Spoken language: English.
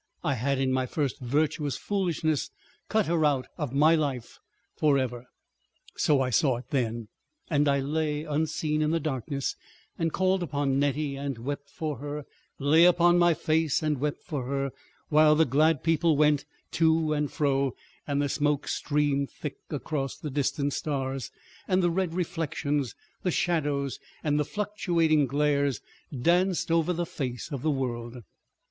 I had in my first virtuous foolishness cut her out of my life for ever! So I saw it then, and I lay unseen in the darkness and called upon Nettie, and wept for her, lay upon my face and wept for her, while the glad people went to and fro, and the smoke streamed thick across the distant stars, and the red reflections, the shadows and the fluctuating glares, danced over the face of the world.